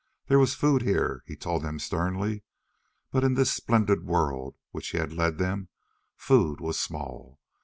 There was food here, he told them sternly, but in this splendid world to which he had led them, food was small.